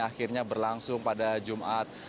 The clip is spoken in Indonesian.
akhirnya berlangsung pada jumat